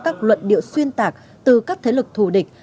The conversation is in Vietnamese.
các luận điệu xuyên tạc từ các thế lực thù địch